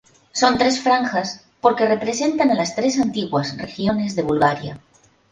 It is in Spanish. Son tres franjas, porque representan a las tres antiguas regiones de Bulgaria.